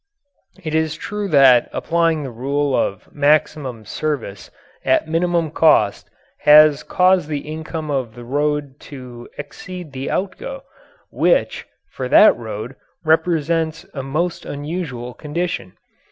It is true that applying the rule of maximum service at minimum cost has caused the income of the road to exceed the outgo which, for that road, represents a most unusual condition.